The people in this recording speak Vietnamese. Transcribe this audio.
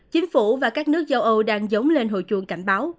chính phủ và các nước châu âu đang giống lên huyện